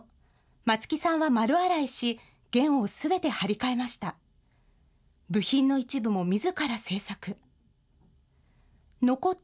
松木さんは丸洗いし、弦をすべて張り替えました。